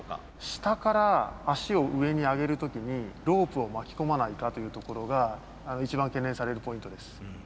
下から足を上に上げる時にロープを巻き込まないかというところが一番懸念されるポイントです。